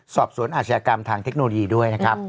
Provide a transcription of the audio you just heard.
สอบสวนอาชญากรรมทางเทคโนโลยีด้วยนะครับ